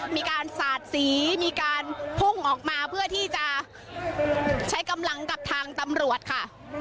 มีการสาดสีมีการพุ่งออกมาเพื่อที่จะใช้กำลังกับทางตำรวจค่ะ